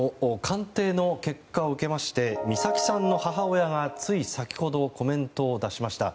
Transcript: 鑑定の結果を受けまして美咲さんの母親が、つい先ほどコメントを出しました。